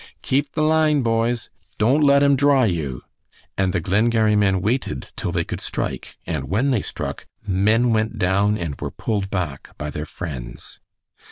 "Keep the line, boys! Don't let 'em draw you!" And the Glengarry men waited till they could strike, and when they struck men went down and were pulled back by their friends.